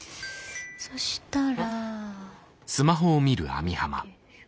そしたら。